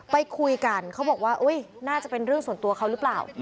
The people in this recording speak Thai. ไปคุยกันเขาบอกว่าน่าจะเป็นเรื่องส่วนตัวเขาหรือเปล่า